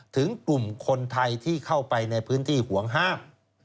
ถึงกลุ่มคนไทยที่เข้าไปในพื้นที่ห่วงห้าม